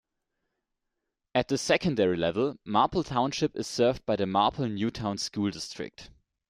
At the secondary level, Marple Township is served by the Marple Newtown School District.